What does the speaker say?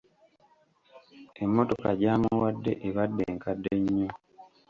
Emmotoka gy'amuwadde ebadde nkadde nnyo.